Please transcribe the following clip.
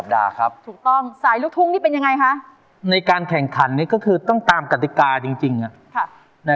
ถูกต้องสายลูกทุ่งนี่เป็นยังไงคะในการแข่งขันนี่ก็คือต้องตามกติกาจริง